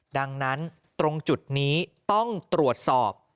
ดังนั้นตรงจุดนี้ต้องตรวจสอบ